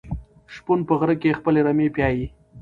شپون په غره کې خپلې رمې پيايي.